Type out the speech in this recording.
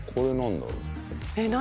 えっ何？